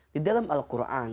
di dalam al quran